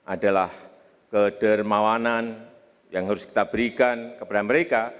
adalah kedermawanan yang harus kita berikan kepada mereka